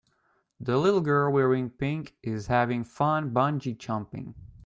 The little girl wearing pink is having fun bungee jumping.